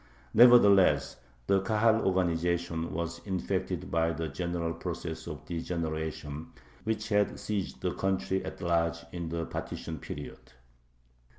Nevertheless the Kahal organization was infected by the general process of degeneration, which had seized the country at large in the partition period.